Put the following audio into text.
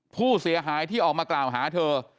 ผู้เสียหายที่ออกมากล่าวหาเธอ